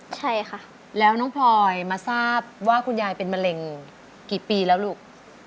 ใช่ค่ะแล้วน้องพลอยมาทราบว่าคุณยายเป็นมะเร็งกี่ปีแล้วลูก